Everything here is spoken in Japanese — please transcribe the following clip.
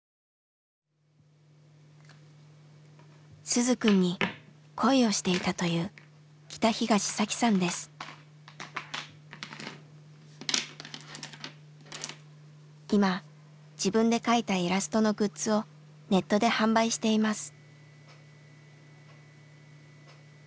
鈴くんに恋をしていたという今自分で描いたイラストのグッズをネットで販売しています。